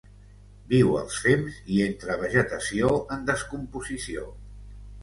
Viu als fems i entre vegetació en descomposició.